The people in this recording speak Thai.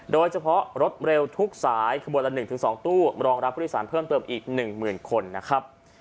โดยเฉพาะรถเร็วทุกสายขบวนละ๑๒ตู้รองรับผู้โดยสารเพิ่มเติมอีก๑๐๐๐คนนะครับ